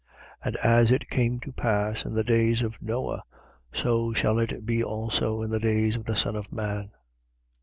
17:26. And as it came to pass in the days of Noe, so shall it be also in the days of the Son of man.